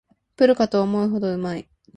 プロかと思うほどうまい